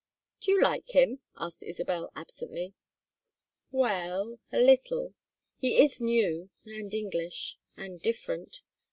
"Do you like him?" asked Isabel, absently. "Well a little. He is new, and English, and different.